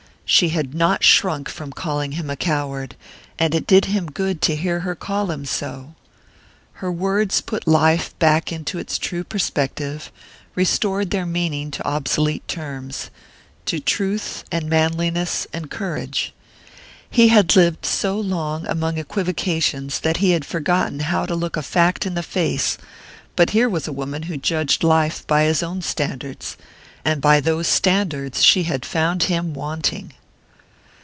She had not shrunk from calling him a coward and it did him good to hear her call him so! Her words put life back into its true perspective, restored their meaning to obsolete terms: to truth and manliness and courage. He had lived so long among equivocations that he had forgotten how to look a fact in the face; but here was a woman who judged life by his own standards and by those standards she had found him wanting!